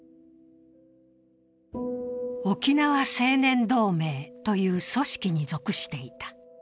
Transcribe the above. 沖縄青年同盟という組織に属していた。